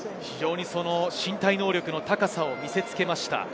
身体能力の高さを見せつけました。